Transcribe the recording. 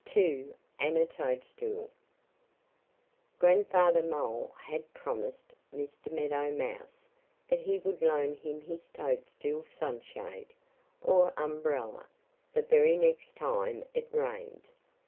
XV TWO AND A TOADSTOOL GRANDFATHER MOLE had promised Mr. Meadow Mouse that he would loan him his toadstool sunshade or umbrella the very next time it rained.